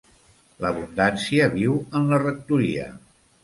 L'abundància viu en la rectoria.